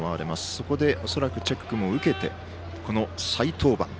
そこで恐らくチェックも受けてこの再登板。